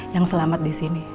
yang selamat disini